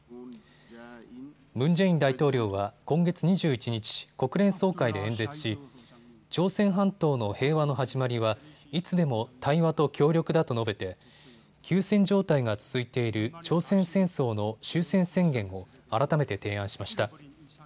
ムン・ジェイン大統領は今月２１日、国連総会で演説し朝鮮半島の平和の始まりはいつでも対話と協力だと述べて休戦状態が続いている朝鮮戦争の終戦宣言を改めて提案しました。